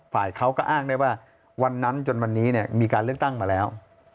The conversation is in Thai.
ฝ่ายเขาก็อ้างได้ว่าวันนั้นจนวันนี้มีการเลือกตั้งมาแล้ว